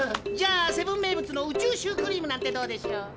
じゃあセブン名物の宇宙シュークリームなんてどうでしょう。